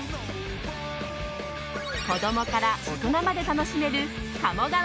子供から大人まで楽しめる鴨川